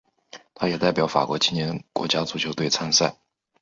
他也代表法国青年国家足球队参赛。